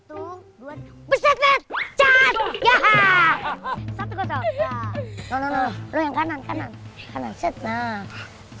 oh enggak usah pakai bunyi kan yang lain layangannya bikin semangat